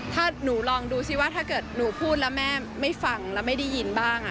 ถ้าหนูลองดูซิว่าถ้าเกิดหนูพูดแล้วแม่ไม่ฟังแล้วไม่ได้ยินบ้าง